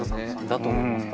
だと思います